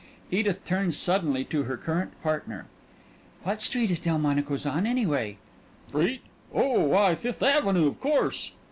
Edith turned suddenly to her current partner. "What street is Delmonico's on, anyway?" "Street? Oh, why Fifth Avenue, of course."